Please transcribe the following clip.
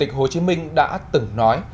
trường hồ chí minh đã từng nói